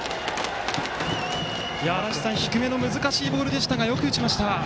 低めの難しいボールでしたうまく打ちました。